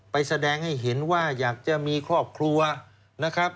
แสดงให้เห็นว่าอยากจะมีครอบครัวนะครับ